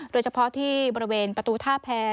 โดยเฉพาะที่บริเวณประตูท่าแพร